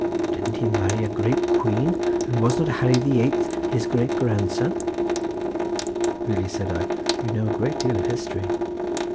Didn't he marry a great queen, and was not Harry the Eighth his great grandson?" "Really," said I, "you know a great deal of history."